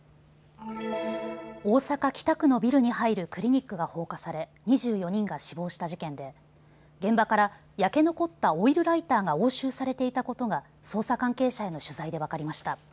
大阪北区のビルに入るクリニックが放火され２４人が死亡した事件で現場から焼け残ったオイルライターが押収されていたことが捜査関係者への取材で分かりました。